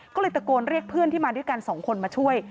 ก็เลยตะโกนเรียกเพื่อนที่มาด้วยกันสองคนมาช่วย